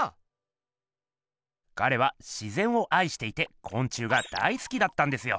ガレは「自ぜん」をあいしていてこん虫が大すきだったんですよ。